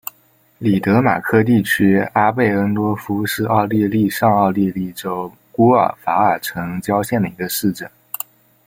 里德马克地区阿贝恩多夫是奥地利上奥地利州乌尔法尔城郊县的一个市镇。